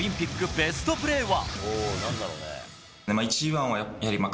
ベストプレーは。